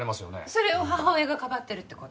それを母親がかばってるって事？